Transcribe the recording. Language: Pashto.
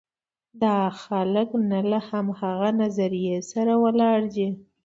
دا خلک نه له همغه نظریې سره ولاړ دي.